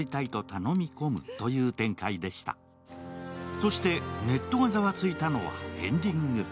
そしてネットがざわついたのはエンディング。